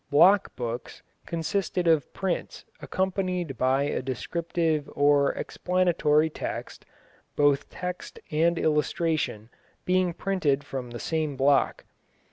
Block books consisted of prints accompanied by a descriptive or explanatory text, both text and illustration being printed from the same block.